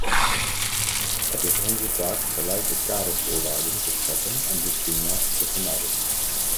Het is onze taak gelijke kadervoorwaarden te scheppen en discriminatie te vermijden.